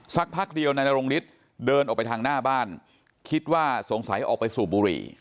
พักเดียวนายนรงฤทธิ์เดินออกไปทางหน้าบ้านคิดว่าสงสัยออกไปสูบบุหรี่